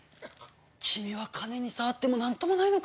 君は金に触ってもなんともないのか？